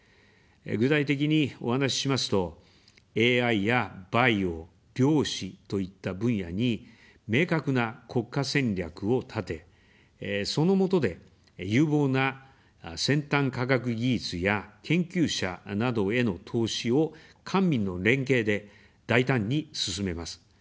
具体的にお話ししますと、ＡＩやバイオ、量子といった分野に明確な国家戦略を立て、そのもとで、有望な先端科学技術や研究者などへの投資を官民の連携で大胆に進めます。